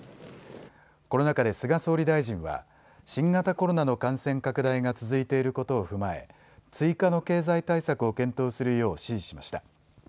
この中で菅総理大臣は新型コロナの感染拡大が続いていることを踏まえ追加の経済対策を検討するよう指示しました。